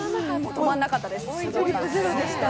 止まんなかったです。